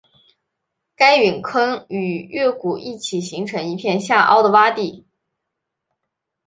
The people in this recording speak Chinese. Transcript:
该陨坑与月谷一起形成一片下凹的洼地。